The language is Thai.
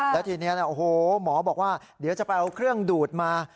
แล้วทีนี้โอ้โหหมอบอกว่าเดี๋ยวจะไปเอาเครื่องดูดมา